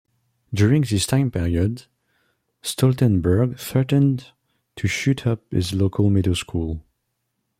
During this time period, Stoltenberg threatened to shoot up his local middle school.